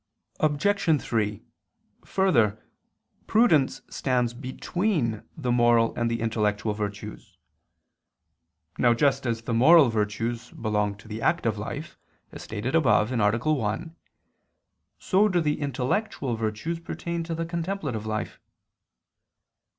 Obj. 3: Further, prudence stands between the moral and the intellectual virtues. Now just as the moral virtues belong to the active life, as stated above (A. 1), so do the intellectual virtues pertain to the contemplative life.